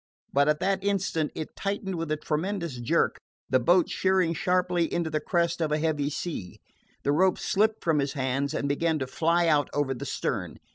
But at that instant it tightened with a tremendous jerk, the boat sheering sharply into the crest of a heavy sea. The rope slipped from his hands and began to fly out over the stern.